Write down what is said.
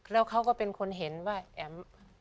แล้วเขาก็เป็นคนเห็นว่าแอ๋ม